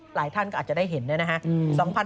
หลายท่านก็อาจจะได้เห็นนะครับ